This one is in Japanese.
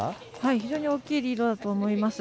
非常に大きいリードだと思います。